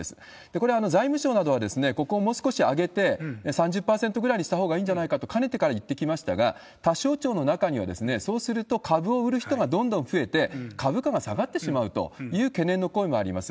これ、財務省などはここをもう少し上げて、３０％ぐらいにしたほうがいいんじゃないかと、かねてからいってきましたが、他省庁の中には、そうすると株を売る人がどんどん増えて、株価が下がってしまうという懸念の声もあります。